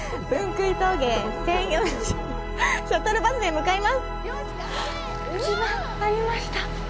気場、ありました！